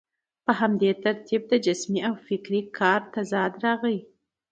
په دې ترتیب د جسمي او فکري کار تضاد راغی.